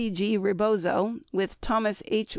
G. Rebozo with Thomas H.